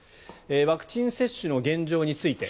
ワクチン接種の現状について。